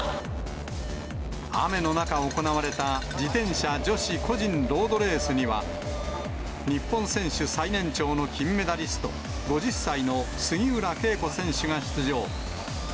雨の中、行われた自転車女子個人ロードレースには、日本選手最年長の金メダリスト、５０歳の杉浦佳子選手が出場。